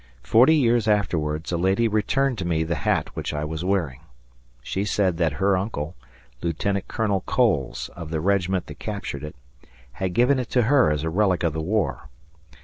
Forty years afterwards a lady returned to me the hat which I was wearing. She said that her uncle, Lieutenant Colonel Coles of the regiment that captured it, had given it to her as a relic of the war.